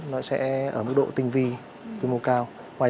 nó sẽ ở mức độ tinh vi cao hơn